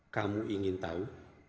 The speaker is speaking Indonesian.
kamu ingin tahu